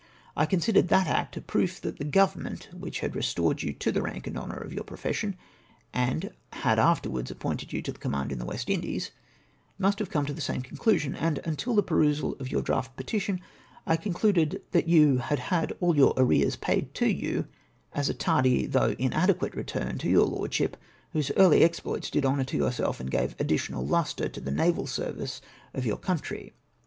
I considered that act a proof that the Government which had restored you to the rank and honour of your profession, and had afterwards appointed you to the command in the West Indies, must have come to the same conclusion ; and until the perusal of your draft petition, I concluded that you had had all your arrears paid to you as a tardy, though inadequate, return to your Lordship, whose early exploits did honour to yourself, and gave additional lustre to the naval service of your country.